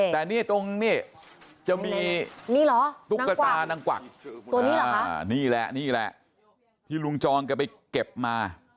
แต่นี่ตรงนี่จะมีตุ๊กกะตานางกวักนี่แหละที่ลุงจองกันไปเก็บมา